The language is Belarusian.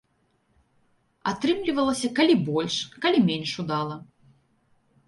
Атрымлівалася калі больш, калі менш удала.